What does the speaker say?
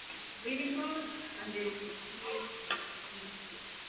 Su estilo musical se podría denominar Country and Western.